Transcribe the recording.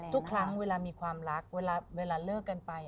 ทุกครั้งเวลามีความรักเวลาเลิกกันไป